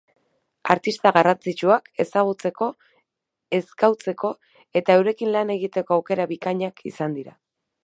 Artista garrantzitsuak ezgautzeko eta eurekin lan egiteko aukera bikainak izan dira.